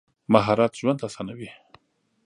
مهارت ژوند اسانوي.